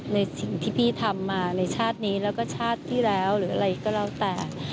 ในสิ่งที่พี่ทำมาในชาตินี้แล้วก็ชาติที่แล้วหรืออะไรก็แล้วแต่